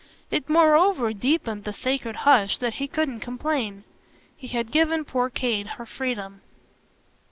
It moreover deepened the sacred hush that he couldn't complain. He had given poor Kate her freedom.